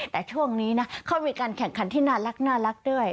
แต่ช่วงนี้นะเขามีการแข่งขันที่น่ารักด้วย